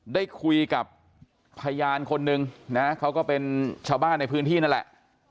ได้คุยกับพยานคนนึงนะเขาก็เป็นชาวบ้านในพื้นที่นั่นแหละ